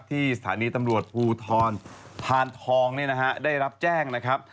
ที่สถานีตำรวจภูทรพานทองเนี่ยนะฮะได้รับแจ้งนะครับ